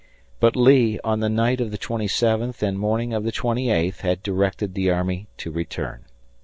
But Lee, on the night of the twenty seventh and morning of the twenty eighth, had directed the army to return.